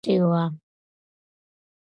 კუნძულზე კლიმატი ტროპიკული და ნოტიოა.